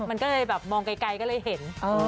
มันก็เลยแบบมองไกลก็เลยเห็น